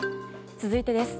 続いてです。